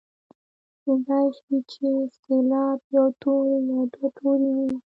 کیدلای شي چې سېلاب یو توری یا دوه توري وي.